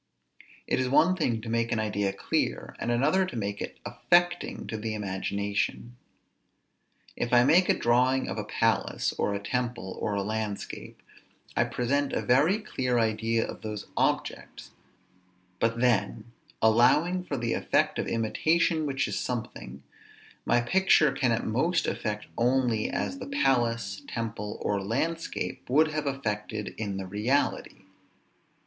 It is one thing to make an idea clear, and another to make it affecting to the imagination. If I make a drawing of a palace, or a temple, or a landscape, I present a very clear idea of those objects; but then (allowing for the effect of imitation which is something) my picture can at most affect only as the palace, temple, or landscape, would have affected in the reality.